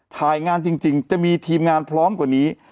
ถ่ายงานจริงจะมีทีมงานพร้อมกว่านี้